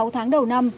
sáu tháng đầu năm